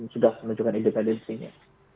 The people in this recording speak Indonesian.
sudah menunjukkan independensinya